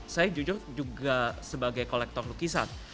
saya jujur juga sebagai kolektor lukisan